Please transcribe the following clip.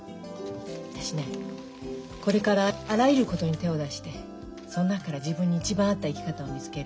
私ねこれからあらゆることに手を出してその中から自分に一番合った生き方を見つける。